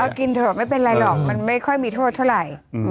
ก็กินเถอะไม่เป็นไรหรอกมันไม่ค่อยมีโทษเท่าไหร่